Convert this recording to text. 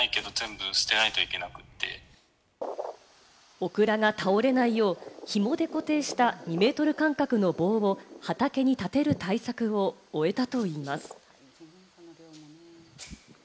オクラが倒れないよう、ひもで固定した、２ｍ間隔の棒を畑に立てる対策を終えたといいます。